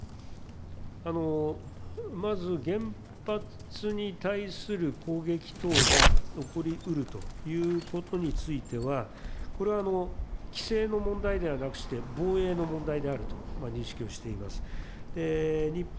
まず原発に対する攻撃等が起こりうるということについては、これは規制の問題ではなくして、防衛の問題であると認識をしております。